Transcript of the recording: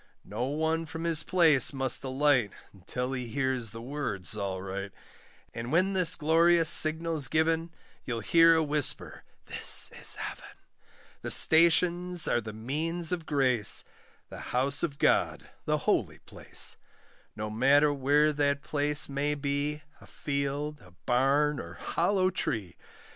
No one from his place must alight, Until he hears the words, all right; And when this glorious signal's given, You'll hear a whisper, 'This is Heaven;' The stations are the means of grace, The house of God, the holy place; No matter where that place may be, A field, a barn, or hollow tree.